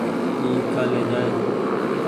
اي ڪآلي جآئي۔